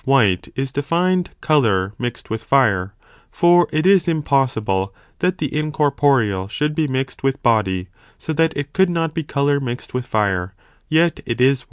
white is defined colour mixed with fire, for it is impossible that the incorporeal should be mixed with body, so that it could not be colour mixed with fire, yet it is white.